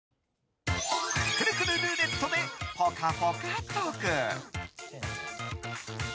くるくるルーレットでぽかぽかトーク。